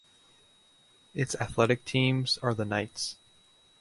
Its athletic teams are the Knights.